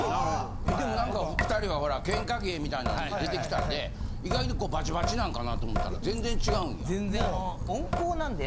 でも何か２人はほら喧嘩芸みたいなんで出てきたんで意外とこうバチバチなんかなと思ったら全然違うんや？